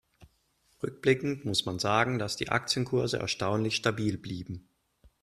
Rückblickend muss man sagen, dass die Aktienkurse erstaunlich stabil blieben.